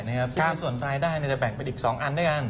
นะครับครับส่วนรายได้เนี้ยจะแบ่งเป็นอีกสองอันด้วยกัน